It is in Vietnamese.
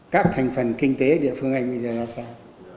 các thành phần kinh tế địa phương anh bây giờ là sao